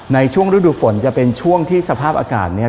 ในช่วงฤดูฝนจะเป็นช่วงที่สภาพอากาศเนี่ย